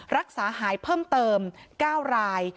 รักษาหายเพิ่มเติม๙ราย